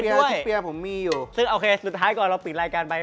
ทุกเปียร์ผมมีอยู่ซึ่งโอเคสุดท้ายก่อนเราปิดรายการไป